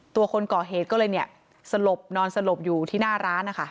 คนก่อเหตุก็เลยเนี่ยสลบนอนสลบอยู่ที่หน้าร้านนะคะ